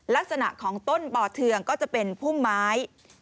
ลักษณะของต้นบ่อเทืองก็จะเป็นพุ่มไม้